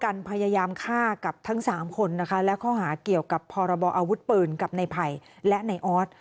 พยายามฆ่ากับทั้งสามคนนะคะและข้อหาเกี่ยวกับพรบออาวุธปืนกับในภัยและในออส